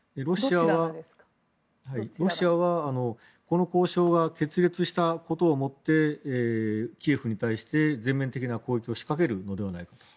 ロシアはこの交渉は決裂したことをもってキエフに対して全面的な攻撃を仕掛けるのではないか。